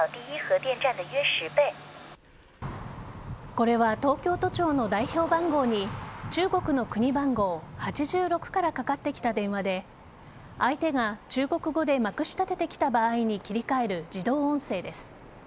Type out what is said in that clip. これは東京都庁の代表番号に中国の国番号８６からかかってきた電話で相手が中国語でまくし立ててきた場合に切り替える自動音声です。